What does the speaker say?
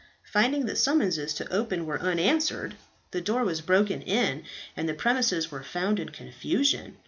Finding that summonses to open were unanswered, the door was broken in, and the premises were found in confusion.